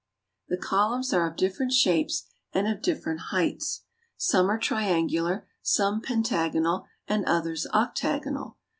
The columns are of different shapes and of different heights. Some are triangular, some pentagonal, and others octagonal.